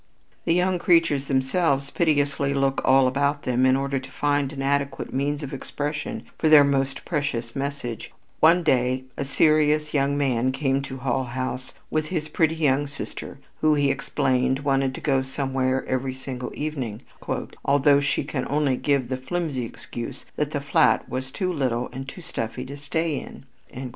The young creatures themselves piteously look all about them in order to find an adequate means of expression for their most precious message: One day a serious young man came to Hull House with his pretty young sister who, he explained, wanted to go somewhere every single evening, "although she could only give the flimsy excuse that the flat was too little and too stuffy to stay in."